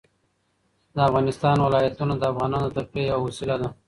د افغانستان ولايتونه د افغانانو د تفریح یوه وسیله ده.